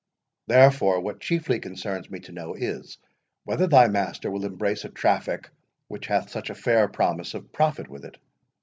Therefore, what chiefly concerns me to know, is, whether thy master will embrace a traffic which hath such a fair promise of profit with it.